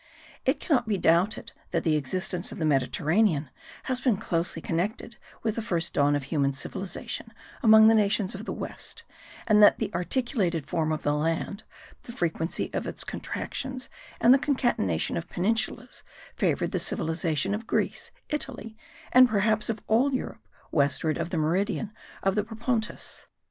It cannot be doubted that the existence of the Mediterranean has been closely connected with the first dawn of human cultivation among the nations of the west, and that the articulated form of the land, the frequency of its contractions and the concatenation of peninsulas favoured the civilization of Greece, Italy, and perhaps of all Europe westward of the meridian of the Propontis.